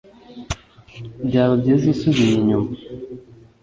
Byaba byiza usubiye inyuma